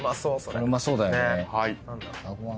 これうまそうだよね。